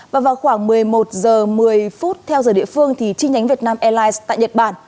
và vào khoảng một mươi một h một mươi theo giờ địa phương chi nhánh vietnam airlines tại nhật bản